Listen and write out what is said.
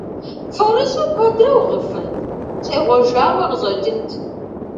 Фэрыщӏу куэдрэ угъыфынт – щӏегъуэжауэ къыщӏэкӏынт.